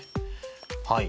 はい。